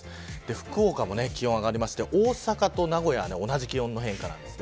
福岡も気温、上がりまして大阪と名古屋は同じ気温の変化です。